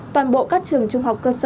toàn bộ các trường trung học cơ sở